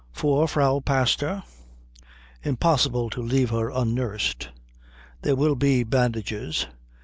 For Frau Pastor. Impossible to leave her unnursed. There will be bandages.